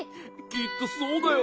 きっとそうだよ。